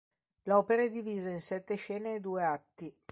L'opera è divisa in sette scene e due atti.